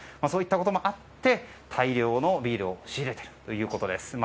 そういったこともあって大量のビールを仕入れているということです。